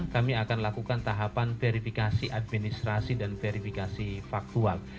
kami akan lakukan tahapan verifikasi administrasi dan verifikasi faktual